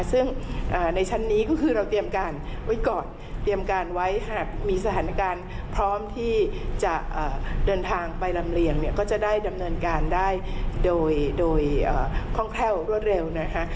ซึ่งในชั้นนี้ก็คือเราเตรียมการไว้ก่อนเตรียมการไว้หากมีสถานการณ์พร้อมที่จะเดินทางไปลำเลียงเนี่ยก็จะได้ดำเนินการได้โดยคล่องแคล่วรวดเร็วนะคะ